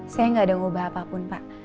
saya gak ada yang berubah apapun pak